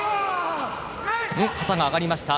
旗が上がりました。